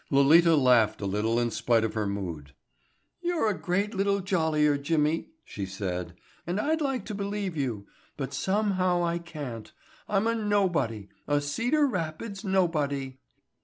Lolita laughed a little in spite of her mood. "You're a great little jollier, Jimmy," she, said, "and I'd like to believe you, but somehow I can't. I'm a nobody, a Cedar Rapids' nobody."